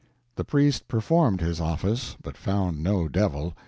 The priest performed his office, but found no devil.